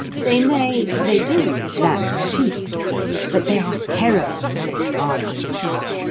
They may, they do, lack chic, but they are heroines of drama.